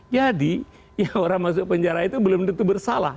jadi orang masuk penjara itu belum tentu bersalah